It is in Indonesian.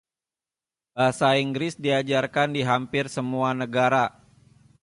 Bahasa Inggris diajarkan di hampir semua negara.